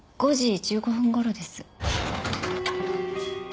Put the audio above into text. ５時１５分頃です。